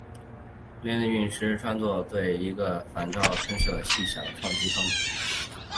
弗朗茨陨石坑坑底西南坐落了一对环绕着高反照率喷出物的细小撞击坑。